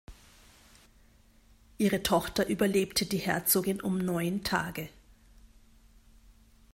Ihre Tochter überlebte die Herzogin um neun Tage.